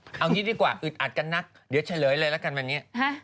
เอางี้ดีกว่าอึดอัดกันนักเดี๋ยวเฉลยเลยละกันวันนี้